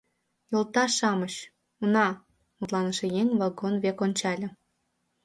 — Йолташ-шамыч... уна, — мутланыше еҥ вагон век ончале.